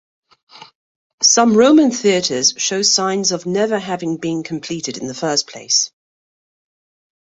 Some Roman theatres show signs of never having been completed in the first place.